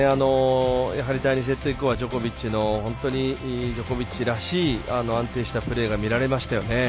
第２セット以降はジョコビッチのジョコビッチらしい安定したプレーが見られましたよね。